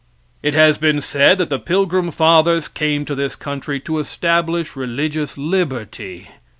It has been said that the pilgrim fathers came to this country to establish religious liberty.